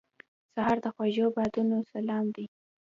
سهار د خوږو بادونو سلام دی.